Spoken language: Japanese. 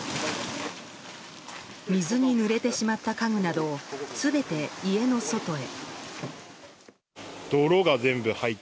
水にぬれてしまった家具などを全て家の外へ。